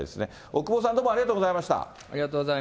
奥窪さん、どうもありがとうございました。